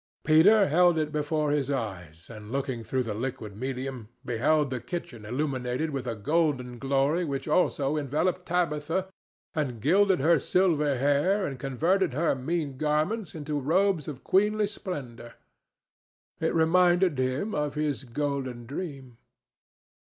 Peter held it before his eyes, and, looking through the liquid medium, beheld the kitchen illuminated with a golden glory which also enveloped Tabitha and gilded her silver hair and converted her mean garments into robes of queenly splendor. It reminded him of his golden dream.